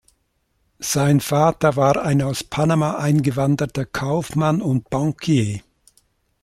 Sein Vater war ein aus Panama eingewanderter Kaufmann und Bankier.